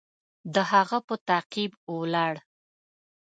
د هغه په تعقیب ولاړ.